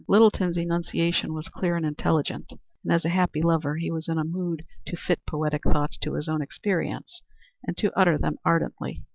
Littleton's enunciation was clear and intelligent, and as a happy lover he was in a mood to fit poetic thoughts to his own experience, and to utter them ardently.